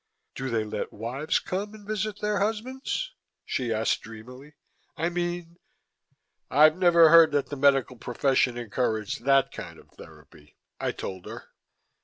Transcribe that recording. "Do they let wives come and visit their husbands?" she asked dreamily. "I mean " "I've never heard that the medical profession encouraged that kind of therapy," I told her.